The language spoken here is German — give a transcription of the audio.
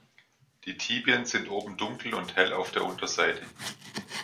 Die Tibien sind oben dunkel und hell auf der Unterseite.